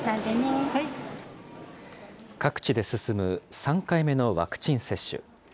各地で進む３回目のワクチン接種。